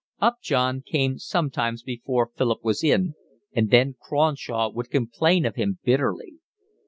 Upjohn came sometimes before Philip was in, and then Cronshaw would complain of him bitterly.